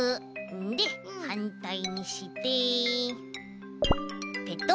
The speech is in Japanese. ではんたいにしてペトッ！